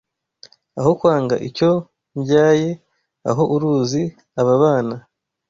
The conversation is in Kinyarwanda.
Aho kwanga icyo mbyaye Aho uruzi aba bana